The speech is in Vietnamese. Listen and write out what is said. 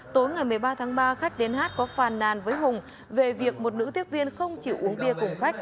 tối ngày một mươi ba tháng ba khách đến hát có phàn nàn với hùng về việc một nữ tiếp viên không chịu uống bia cùng khách